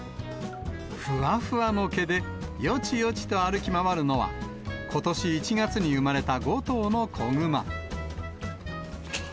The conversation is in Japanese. ふわふわの毛でよちよちと歩き回るのは、ことし１月に生まれた５頭の子グマ。